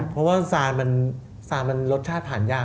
เพราะว่าซานมันรสชาติผ่านยาก